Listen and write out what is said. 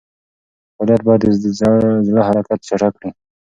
فعالیت باید د زړه حرکت چټک کړي.